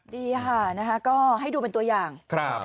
ดีค่ะนะคะก็ให้ดูเป็นตัวอย่าง